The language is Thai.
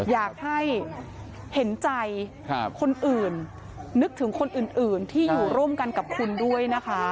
อยากให้เห็นใจคนอื่นนึกถึงคนอื่นที่อยู่ร่วมกันกับคุณด้วยนะคะ